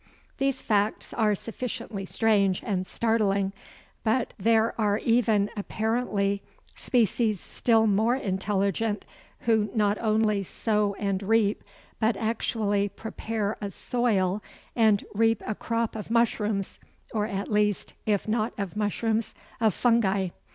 These facts are sufficiently strange and startling, but there are even, apparently, species still more intelligent, who not only sow and reap, but actually prepare a soil and reap a crop of mushrooms, or at least, if not of mushrooms, of fungi.